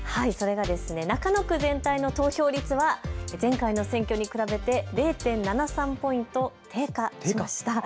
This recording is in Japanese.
中野区全体の投票率は前回の選挙に比べて０．７３ポイント低下しました。